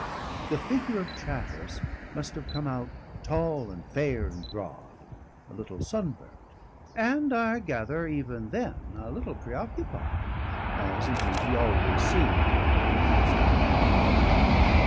The figure of Chatteris must have come out tall and fair and broad, a little sunburnt, and I gather even then a little preoccupied, as indeed he always seemed to be in those latter days.